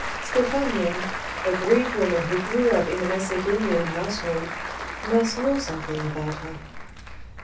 Stephanion, a Greek woman who grew up in a Macedonian household, must know something about her.